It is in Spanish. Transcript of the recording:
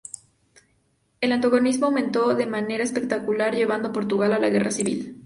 El antagonismo aumento de manera espectacular llevando a Portugal a la guerra civil.